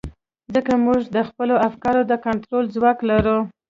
ځکه موږ د خپلو افکارو د کنټرول ځواک لرو.